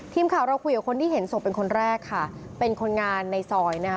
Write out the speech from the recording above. ทีมข่าวเราคุยกับคนที่เห็นศพเป็นคนแรกค่ะเป็นคนงานในซอยนะคะ